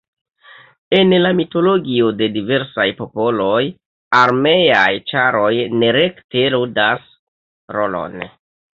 En la mitologio de diversaj popoloj armeaj ĉaroj nerekte ludas rolon.